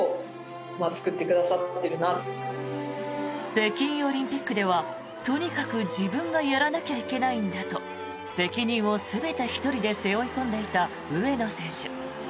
北京オリンピックではとにかく自分がやらなきゃいけないんだと責任を全て１人で背負い込んでいた上野選手。